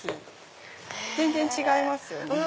全然違いますよね。